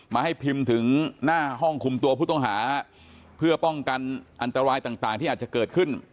ให้พิมพ์ถึงหน้าห้องคุมตัวผู้ต้องหาเพื่อป้องกันอันตรายต่างที่อาจจะเกิดขึ้น